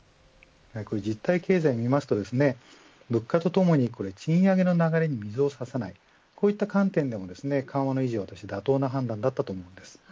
実体経済見ますと物価とともに賃上げの流れに水を差さないこういった観点でも緩和の維持として妥当な判断だったと思います。